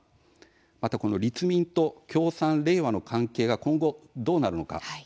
またこの立民と共産、れいわの関係が今後どうなるのか。